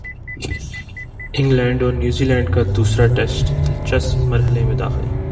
England اور New Zealand کا دوسرا ٹیسٹ دلچسپ مرحلے میں داخل